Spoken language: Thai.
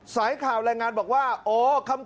สายข่าวแรงงานบอกว่า